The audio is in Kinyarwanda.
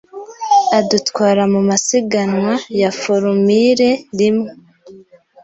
adutwara mu masiganwa ya Formule rimwe